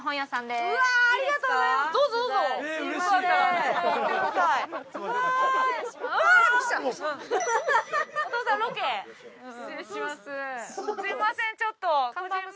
すいませんちょっと。